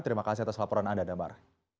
terima kasih atas laporan anda dambar